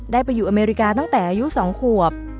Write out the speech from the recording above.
ไปอยู่อเมริกาตั้งแต่อายุ๒ขวบ